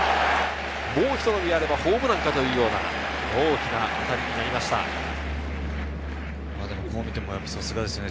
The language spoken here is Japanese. もうひと伸びあればホームランかというような、大きな当たりになさすがですよね。